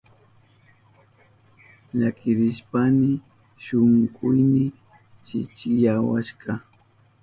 Llakirishpayni shunkuyni kichkiyawashka.